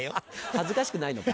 恥ずかしくないのか？